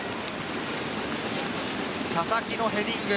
佐々木のヘディング。